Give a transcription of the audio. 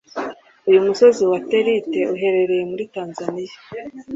Uyu musozi wa terite uherereye muri Tanzaniya.